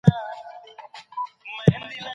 تاریخي پېښې زموږ اوسنی ژوند اغېزمنوي.